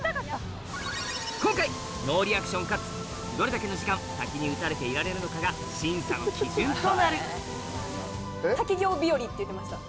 今回ノーリアクションかつどれだけの時間滝に打たれていられるのかが審査の基準となるって言ってました。